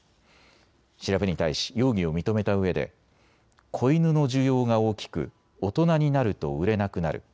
調べに対し容疑を認めたうえで子犬の需要が大きく大人になると売れなくなる。